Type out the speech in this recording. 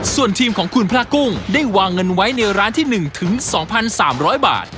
ส่วนทีมของคุณพระกุ้งได้วางเงินไว้ในร้านที่๑๒๓๐๐บาท